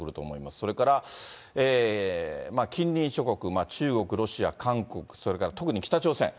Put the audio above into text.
それから近隣諸国、中国、ロシア、韓国、それから特に北朝鮮。